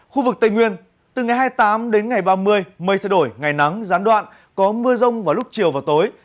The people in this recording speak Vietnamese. khu vực tây nguyên từ ngày hai mươi tám đến ngày ba mươi mây thay đổi ngày nắng gián đoạn có mưa rông vào lúc chiều và tối